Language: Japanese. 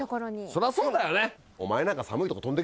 そりゃそうだよね！